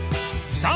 ［さあ